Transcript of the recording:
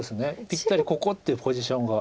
ぴったりここっていうポジションが。